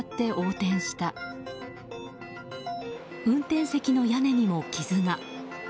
運転席の屋根にも傷が。